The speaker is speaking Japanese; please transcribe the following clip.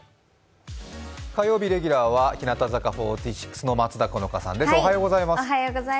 火曜日レギュラーは日向坂４６の松田好花さんです。